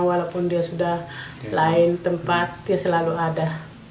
walaupun dia sudah lain tempat dia selalu ada